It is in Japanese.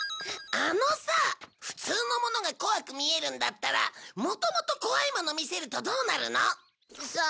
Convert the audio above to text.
あのさ普通のものが怖く見えるんだったらもともと怖いもの見せるとどうなるの？さあ？